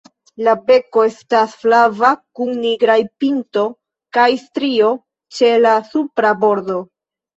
La beko estas flava kun nigraj pinto kaj strio ĉe la supra bordo.